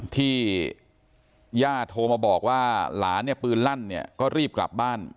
ที่ย่าโทรมาบอกว่าหลานเนี่ยปืนลั่นเนี่ยก็รีบกลับบ้าน